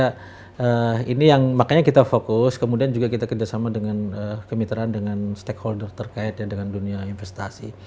nah ini yang makanya kita fokus kemudian juga kita kerjasama dengan kemitraan dengan stakeholder terkait ya dengan dunia investasi